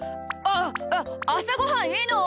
ああさごはんいいの？